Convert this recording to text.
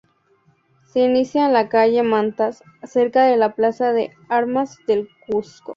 Se inicia en la calle Mantas, cerca de la plaza de Armas del Cuzco.